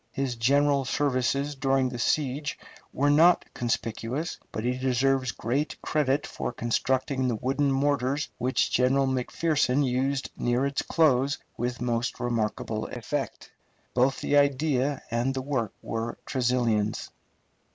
His general services during the siege were not conspicuous, but he deserves great credit for constructing the wooden mortars which General McPherson used near its close with most remarkable effect. Both the idea and the work were Tresilian's.